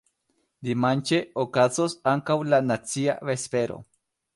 Dimanĉe okazos ankaŭ la nacia vespero.